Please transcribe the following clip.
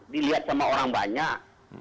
dilihat sama orang banyak